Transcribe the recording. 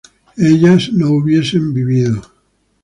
ellas no hubiesen vivido